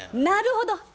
なるほど！